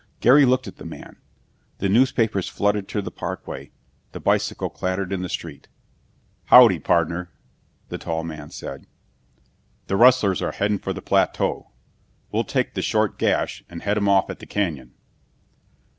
Gary looked at the man. The newspapers fluttered to the parkway. The bicycle clattered in the street. "Howdy, partner!" the tall man said. "The rustlers are headin' for the plateau! We'll take the short gash and head 'em off at the canyon!"